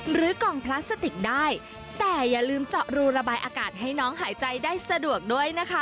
หรือกล่องพลาสติกได้แต่อย่าลืมเจาะรูระบายอากาศให้น้องหายใจได้สะดวกด้วยนะคะ